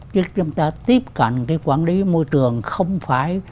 chứ chúng ta tiếp cận cái quản lý môi trường không phải